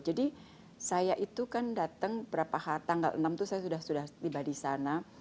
jadi saya itu kan datang tanggal enam itu saya sudah tiba di sana